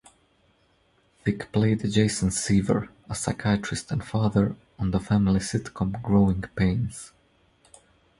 Thicke played Jason Seaver, a psychiatrist and father, on the family sitcom "Growing Pains".